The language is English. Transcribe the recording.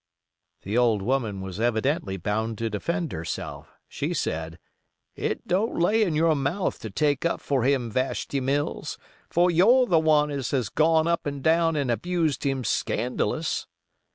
The old woman was evidently bound to defend herself. She said: "It don't lay in your mouth to take up for him, Vashti Mills; for you're the one as has gone up and down and abused him scandalous."